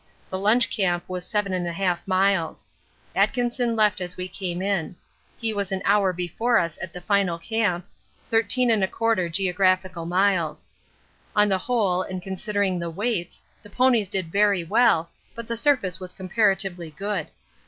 The lunch camp was 7 1/2 miles. Atkinson left as we came in. He was an hour before us at the final camp, 13 1/4 (geo.) miles. On the whole, and considering the weights, the ponies did very well, but the surface was comparatively good.